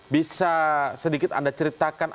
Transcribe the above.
bisa sedikit anda ceritakan